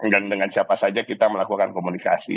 dan dengan siapa saja kita melakukan komunikasi